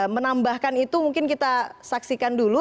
menambahkan itu mungkin kita saksikan dulu